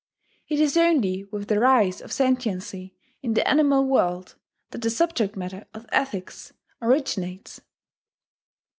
It is only with the rise of sentiency in the animal world that the subject matter of ethics originates."